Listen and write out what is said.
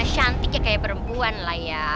cantiknya kayak perempuan lah ya